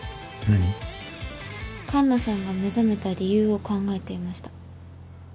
カンナさんが目覚めた理由を考えていました。